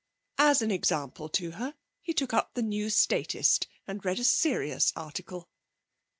As an example to her he took up The New Statist and read a serious article.